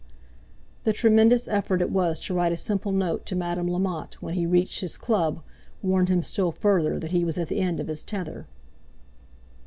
The tremendous effort it was to write a simple note to Madame Lamotte when he reached his Club warned him still further that he was at the end of his tether.